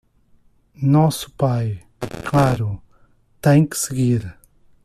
Nosso pai, claro, tem que seguir.